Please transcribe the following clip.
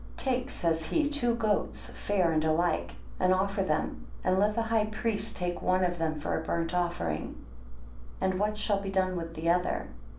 7 Take, says he, two goats, fair and alike, and offer them; and let the high priest take one of them for a burnt offering. And what shalt be done with the other?